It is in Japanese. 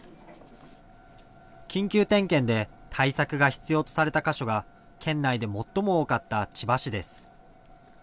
緊急点検で対策が必要とされた箇所が県内で最も多かった千葉市です。